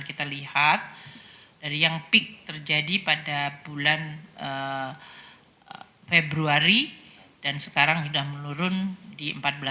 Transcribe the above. kita lihat dari yang peak terjadi pada bulan februari dan sekarang sudah menurun di empat belas